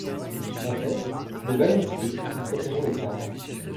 En fait de va-nu-pieds, nous préférons les carmes ;